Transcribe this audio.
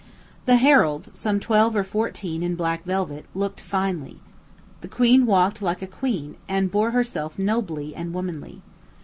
The heralds, some twelve or fourteen, in black velvet, looked finely. The queen walked like a queen, and bore herself nobly and womanly.